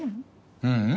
ううん。